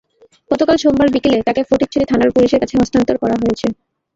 গতকাল সোমবার বিকেলে তাঁকে ফটিকছড়ি থানার পুলিশের কাছে হস্তান্তর করা হয়েছে।